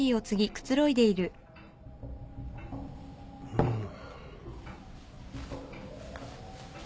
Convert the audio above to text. うん。